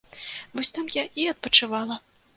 Вось там я і адпачывала.